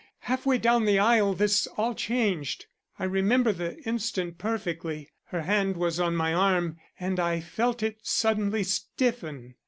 Half way down the aisle this all changed. I remember the instant perfectly. Her hand was on my arm and I felt it suddenly stiffen.